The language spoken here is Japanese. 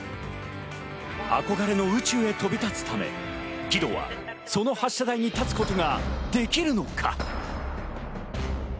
憧れの宇宙へ飛び立つため、義堂はその発射台に立つことができるのか。